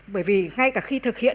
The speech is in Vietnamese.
bởi vì ngay cả khi thực hiện